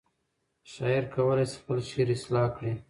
شاعر کولی شي خپل شعر اصلاح کړي.